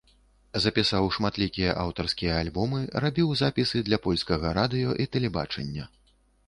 Запісаў шматлікія аўтарскія альбомы, рабіў запісы для польскага радыё і тэлебачання.